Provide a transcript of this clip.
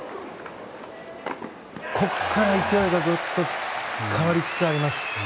ここから勢いがぐっと変わりつつあります。